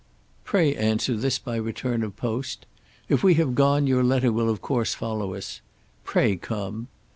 Pray answer this by return of post. If we have gone your letter will of course follow us. Pray come.